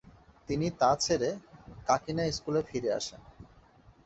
তিনি তা ছেড়ে কাকিনা স্কুলে ফিরে আসেন।